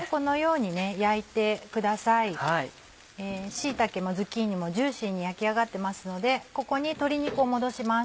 椎茸もズッキーニもジューシーに焼き上がってますのでここに鶏肉を戻します。